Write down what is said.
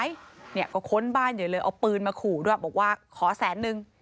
บุกเขาก็คนบ้านเยอะเลยเอาปืนมาขุบวกว่าขอแสนนึง